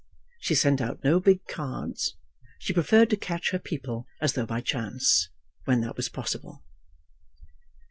She sent out no big cards. She preferred to catch her people as though by chance, when that was possible.